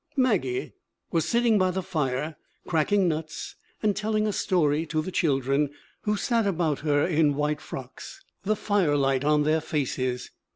Maggie was sitting by the fire, cracking nuts, and telling a story to the children who sat about her in white frocks, the firelight on their faces.